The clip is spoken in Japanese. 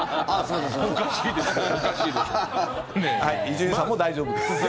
伊集院さんも大丈夫です。